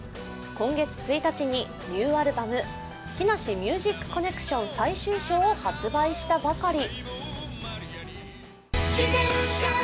今月１日にニューアルバム「木梨ミュージックコネクション最終章」を発売したばかり。